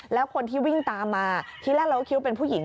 แล้วคนที่วิ่งตามมาที่แรกเราก็คิดว่าเป็นผู้หญิง